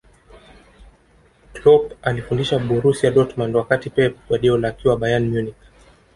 Kloop alifundisha borusia dortmund wakati pep guardiola akiwa bayern munich